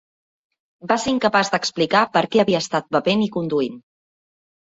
Va se incapaç d'explicar per què havia estat bevent i conduint.